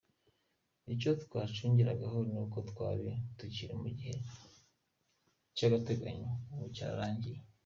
Icyo twacungiragaho ni uko twari tukiri mu gihe cy’agateganyo, ubu cyararangiye.